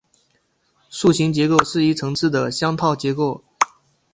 树形结构是一层次的嵌套结构。